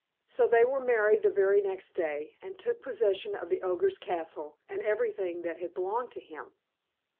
So they were married the very next day, and took possession of the Ogre's castle, and of everything that had belonged to him.